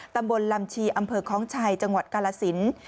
ตำบลลำชีอำเภอคล้องชัยจังหวัดกาลสิน